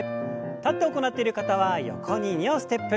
立って行っている方は横に２歩ステップ。